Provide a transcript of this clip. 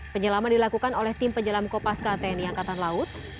penyelaman dilakukan oleh tim penyelam kopas ktn angkatan laut